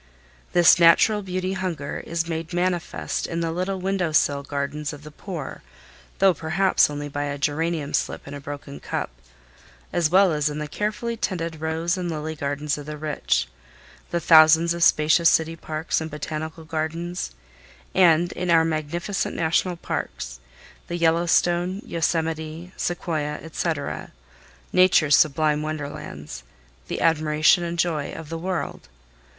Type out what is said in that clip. This natural beauty hunger is made manifest in the little window sill gardens of the poor, though perhaps only a geranium slip in a broken cup, as well as in the carefully tended rose and lily gardens of the rich, the thousands of spacious city parks and botanical gardens, and in our magnificent National parks—the Yellowstone, Yosemite, Sequoia, etc.—Nature's sublime wonderlands, the admiration and joy of the world.